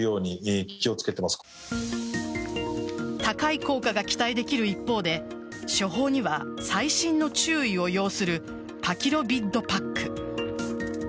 高い効果が期待できる一方で処方には細心の注意を要するパキロビッドパック。